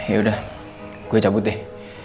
yaudah gue cabut deh